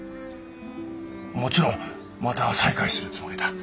もちろんまた再開するつもりだ。